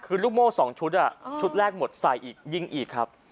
คือลูกโม่๒ชุดชุดแรกหมดใส่อีกยิงอีกครับ